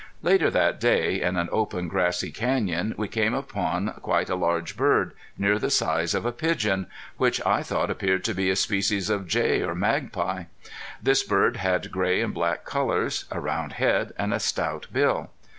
Later that day, in an open grassy canyon, we came upon quite a large bird, near the size of a pigeon, which I thought appeared to be a species of jay or magpie. This bird had gray and black colors, a round head, and a stout bill.